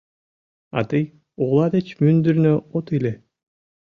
А тый ола деч мӱндырнӧ от иле.